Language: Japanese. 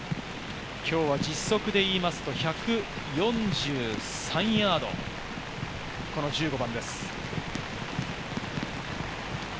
今日は実測でいうと１４３ヤード、１５番です。